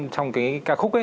trong cái ca khúc ấy